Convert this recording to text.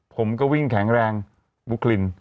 ผมก็วิ่งแข็งแรงบุ๊กคลิน